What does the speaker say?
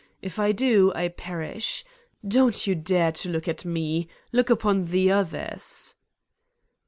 If I do, I perish. Don 't you dare to look at me ! Look upon the others!"